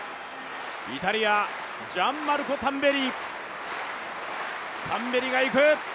イタリア、ジャンマルコ・タンベリがいく！